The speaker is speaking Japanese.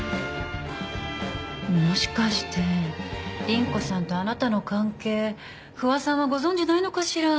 もしかして倫子さんとあなたの関係不破さんはご存じないのかしら？